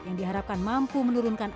yang diharapkan mampu menurunkan